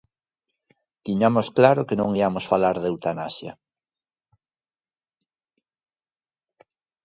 Tiñamos claro que non iamos falar de eutanasia.